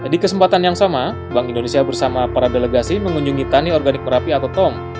di kesempatan yang sama bank indonesia bersama para delegasi mengunjungi tani organik merapi atau tom